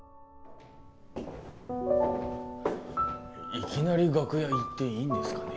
いきなり楽屋行っていいんですかね？